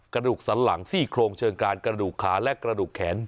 กระดูกสันหลังซี่โครงเชิงการกระดูกขาและกระดูกแขน